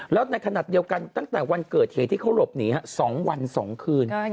แล้วในขณะเดียวกันตั้งแต่วันเกิดเหตุที่เขาหลบหนี๒วัน๒คืน